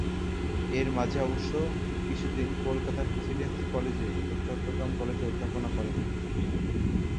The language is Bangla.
এর মাঝে অবশ্য কিছুদিন কলকাতার প্রেসিডেন্সি কলেজে ও চট্টগ্রাম কলেজে অধ্যাপনা করেন।